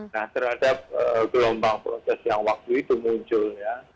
nah terhadap gelombang proses yang waktu itu muncul ya